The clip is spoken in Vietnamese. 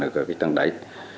ở các tầng đáy